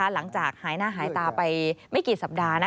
หลังจากหายหน้าหายตาไปไม่กี่สัปดาห์